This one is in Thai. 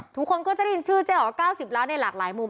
ทุกคนก็จะได้ยินชื่อเจ๊อ๋อ๙๐ล้านในหลากหลายมุม